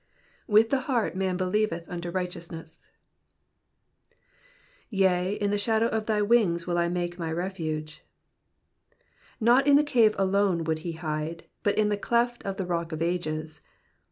With the heart man believeth unto righteousness/' F<ki, in the tihadow of thy wings tnll I make my refuge.'^'' Not in the cave alone would he hide, but in the cleft of the Rock of ages.